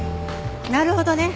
なるほどね。